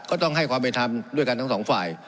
ก็ต้องให้ความใบทำด้วยกันทั้งสองฝ่าย